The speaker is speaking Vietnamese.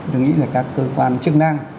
tôi nghĩ là các cơ quan chức năng